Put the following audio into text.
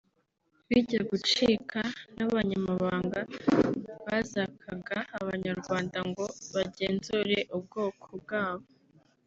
bijya gucika n’abanyamahanga bazakaga abanyarwanda ngo bagenzure ubwoko bwabo